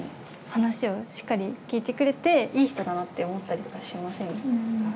話をしっかり聞いてくれていい人だなって思ったりとかしませんか？